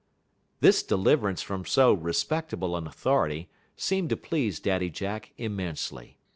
This deliverance from so respectable an authority seemed to please Daddy Jack immensely.